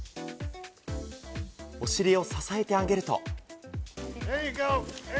お尻を支えてあげると。